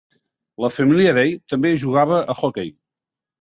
La família Dey també jugava a hoquei.